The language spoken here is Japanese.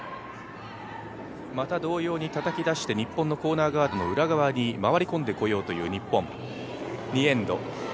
また同様にたたき出して、日本のコーナーガードの裏側に回り込んでこようという日本、２エンド。